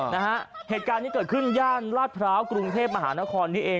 นะฮะเหตุการณ์นี้เกิดขึ้นย่านลาดพร้าวกรุงเทพมหานครนี้เอง